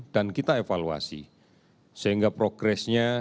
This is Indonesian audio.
dan kita evaluasi sehingga progress nya